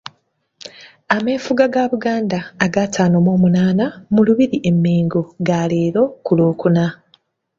Ameefuga ga Buganda aga ataano mw'omunaana mu Lubiri e Mmengo ga leero ku Lw'okuna.